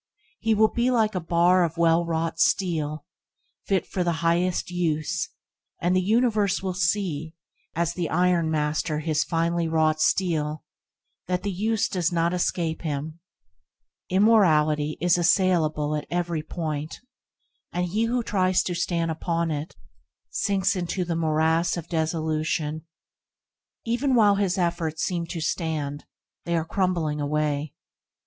He will be like a bar of well wrought steel, fit for the highest use, and the universe will see, as the ironmaster his finely wrought steel, that the use does not escape him. Immorality is assailable at every point, and he who tries to stand upon it, sinks into the morass of desolation. Even while his efforts seem to stand, they are crumbling away.